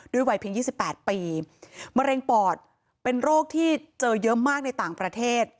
วัยเพียง๒๘ปีมะเร็งปอดเป็นโรคที่เจอเยอะมากในต่างประเทศ